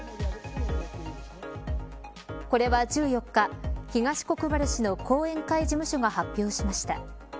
これは、１４日東国原氏の後援会事務所が発表しました。